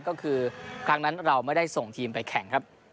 ก็คือครั้งนั้นเราไม่ได้ส่งทีมไปแข่งครับ